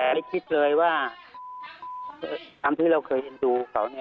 แต่คิดเลยว่าคำที่เราเคยเห็นดูเขา